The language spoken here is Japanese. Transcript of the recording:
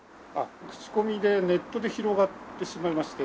口コミでネットで広がってしまいまして。